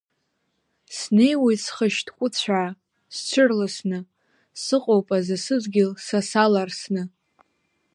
Снеиуеит схы шьҭкәыцәаа, сҽырласны, сыҟоуп азы сыдгьыл са саларсны.